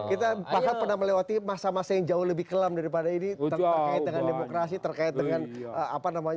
kita bahkan pernah melewati masa masa yang jauh lebih kelam daripada ini terkait dengan demokrasi terkait dengan apa namanya